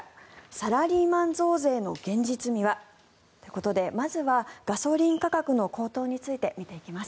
サラリーマン増税の現実味は。ということでまずはガソリン価格の高騰について見ていきます。